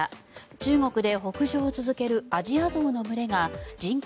中国で北上を続けるアジアゾウの群れが人口